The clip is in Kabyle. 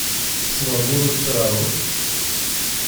Tessneḍ Mulud Ferɛun?